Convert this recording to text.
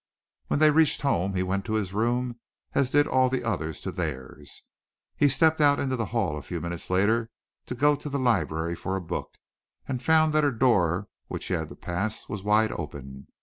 When they reached home he went to his room as did all the others to theirs. He stepped out into the hall a few minutes later to go to the library for a book, and found that her door which he had to pass was wide open.